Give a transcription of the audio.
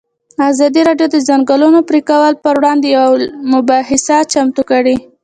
ازادي راډیو د د ځنګلونو پرېکول پر وړاندې یوه مباحثه چمتو کړې.